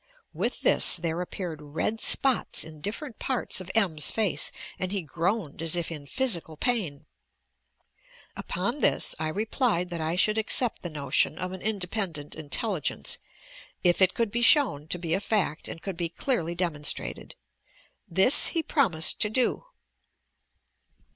With this there appeared red spots in dif ferent parts of M's. face and he groaned as if in phy sical pain. Upon this I replied that I shoidd accept the notion of an independent intelligence, it it could be shown to be a fact and could be clearly demonstrated. This he promised to do."